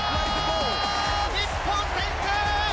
日本先制！